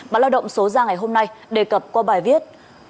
báo lao động số ra ngày hôm nay đề cập qua bài viết